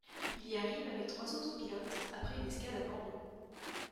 Il y arrive avec trois autres pilotes après une escale à Bordeaux.